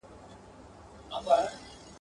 لا به څو زلمۍ کومه عزراییله بوډۍ ورځي !.